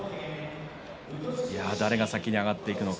誰が先に上がっていくのか。